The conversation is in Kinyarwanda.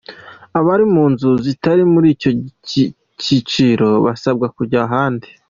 Abari mu nzu zitari muri icyo cyiciro basabwa kujya ahandi.